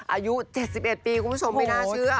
อายุ๗๑ปีคุณผู้ชมไม่น่าเชื่อ